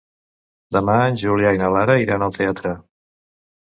Demà en Julià i na Lara iran al teatre.